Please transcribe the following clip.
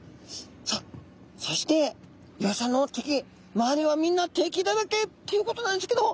さあそしてイワシちゃんの敵周りはみんな敵だらけっていうことなんですけど。